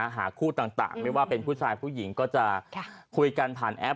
หาคู่ต่างไม่ว่าเป็นผู้ชายผู้หญิงก็จะคุยกันผ่านแอป